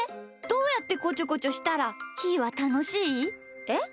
どうやってこちょこちょしたらひーはたのしい？えっ？